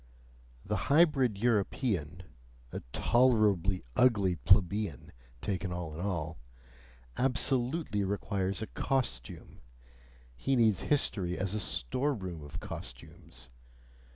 The hybrid European a tolerably ugly plebeian, taken all in all absolutely requires a costume: he needs history as a storeroom of costumes.